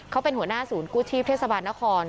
เขาเป็นหัวหน้าศูนย์กู้ชีพเทศบาลนคร